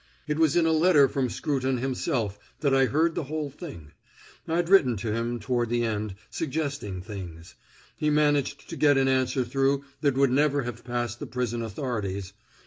It was in a letter from Scruton himself that I heard the whole thing. I'd written to him toward the end suggesting things. He managed to get an answer through that would never have passed the prison authorities.